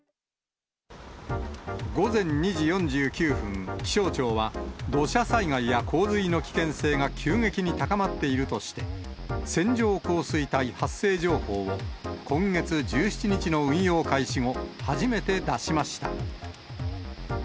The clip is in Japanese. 午前２時４９分、気象庁は、土砂災害や洪水の危険性が急激に高まっているとして、線状降水帯発生情報を今月１７日の運用開始後、初めて出しました。